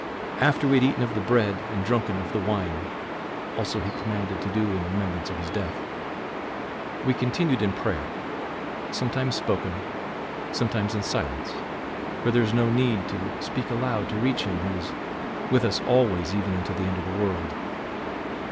After we had eaten of the bread and drunken of the wine also he commanded to do in remembrance of his death we continued in prayer, sometimes spoken, sometimes in silence for there is no need to speak aloud to reach him who is 'with us alway even unto the end of the world.